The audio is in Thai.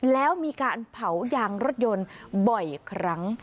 แล้วมีการเผายางรถยนต์บ่อยครั้ง